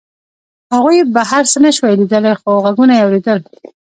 هغوی بهر څه نشوای لیدلی خو غږونه یې اورېدل